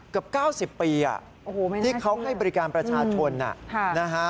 เกือบ๙๐ปีที่เขาให้บริการประชาชนนะฮะ